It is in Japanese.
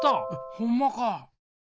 ほんまか！